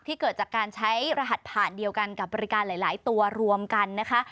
เกิดจากการใช้รหัสผ่านเดียวกันกับบริการหลายตัวรวมกันนะคะ